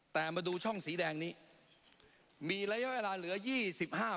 แต่มาดูช่องสีแดงนี้มีระยะเวลาเหลือยี่สิบห้าปี